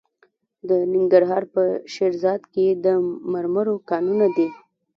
د ننګرهار په شیرزاد کې د مرمرو کانونه دي.